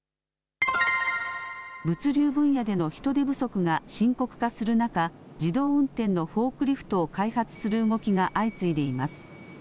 物流分野での人手不足が深刻化する中、自動運転のフォークリフトを開発する動きが相次いでいます。